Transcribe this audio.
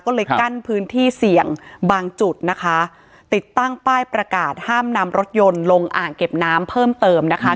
ก็เลยกั้นพื้นที่เสี่ยงบางจุดนะคะติดตั้งป้ายประกาศห้ามนำรถยนต์ลงอ่างเก็บน้ำเพิ่มเติมนะคะ